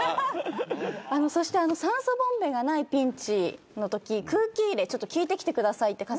そして酸素ボンベがないピンチのとき空気入れ聞いてきてくださいって春日さん。